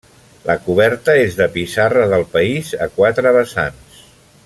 La coberta és de pissarra del país a quatre vessants.